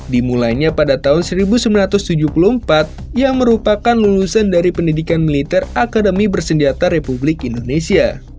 dimulainya pada tahun seribu sembilan ratus tujuh puluh empat yang merupakan lulusan dari pendidikan militer akademi bersenjata republik indonesia